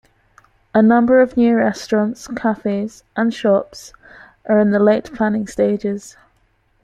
A number of new restaurants, cafes, and shops are in the late planning stages.